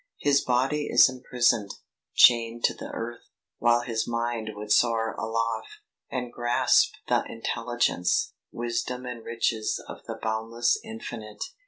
His body is imprisoned, chained to the earth, while his mind would soar aloft, and grasp the intelligence, wisdom and riches of the boundless infinite.